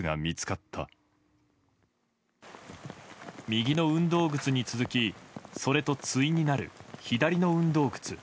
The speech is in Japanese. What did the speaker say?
右の運動靴に続きそれと対になる左の運動靴。